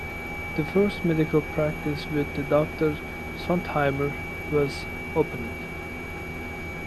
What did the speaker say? The first medical practice with Doctor Sontheimer was opened.